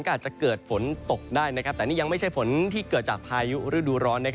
ก็อาจจะเกิดฝนตกได้แต่นี่ยังไม่ใช่ฝนที่เกิดจากพายุฤดูร้อน